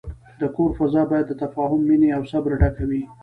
د کور فضا باید د تفاهم، مینې، او صبر ډکه وي.